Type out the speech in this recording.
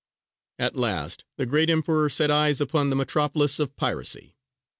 _)] At last the great Emperor set eyes upon the metropolis of piracy.